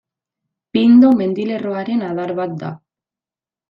Pindo mendilerroaren adar bat da.